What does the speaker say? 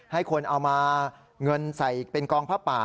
ให้คนเอามาเงินใส่เป็นกองผ้าป่า